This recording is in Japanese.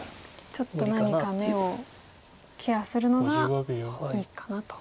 ちょっと何か眼をケアするのがいいかなと。